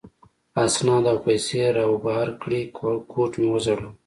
اسناد او پیسې را وبهر کړې، کوټ مې و ځړاوه.